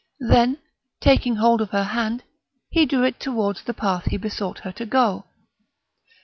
Then, taking hold of her hand, he drew it towards the path he besought her to go.